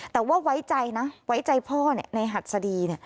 แต่ว่าไว้ใจนะไว้ใจพ่อในหัดสดี